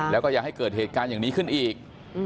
แล้วก็อย่าให้เกิดเหตุการณ์อย่างนี้ขึ้นอีก